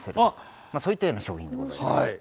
そういったような商品でございます。